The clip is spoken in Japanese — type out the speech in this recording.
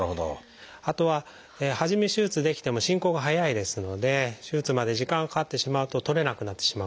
あとは初め手術できても進行が速いですので手術まで時間がかかってしまうと取れなくなってしまうこともあります。